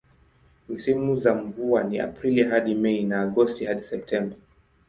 Misimu za mvua ni Aprili hadi Mei na Agosti hadi Septemba.